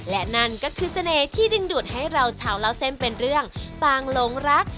และนั่นก็คือเสน่ห์ที่ดึงดูดให้เราชาวเล่าเส้นเป็นเรื่องต่างหลงรัก